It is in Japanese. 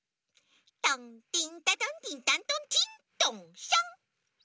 トンティンタトンティンタントンティントンシャン